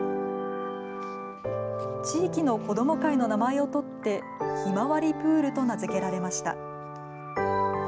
地域の子供会の名前を取って、ひまわりプールと名付けられました。